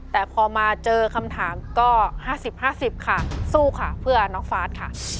แต่พอมาเจอคำถามก็๕๐๕๐ค่ะสู้ค่ะเพื่อน้องฟาสค่ะ